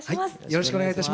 よろしくお願いします。